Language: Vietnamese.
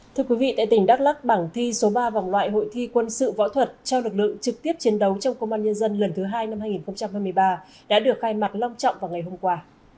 thưa quý vị tại tỉnh đắk lắc bảng thi số ba vòng loại hội thi quân sự võ thuật trao lực lượng trực tiếp chiến đấu trong công an nhân dân lần thứ hai năm hai nghìn hai mươi ba đã được khai mạc long trọng vào ngày hôm qua